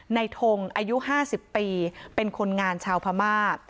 ในทงอายุห้าสิบปีเป็นคนงานชาวพม่า